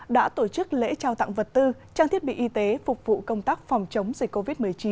đã tổ chức lễ trao tặng vật tư trang thiết bị y tế phục vụ công tác phòng chống dịch covid một mươi chín